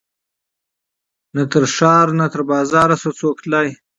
نه تر ښار نه تر بازاره سو څوک تللای